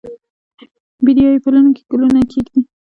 بیدیا یې پلونو کې ګلونه ایږدي